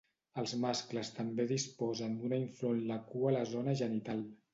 Els mascles també disposen d'una inflor en la cua a la zona genital.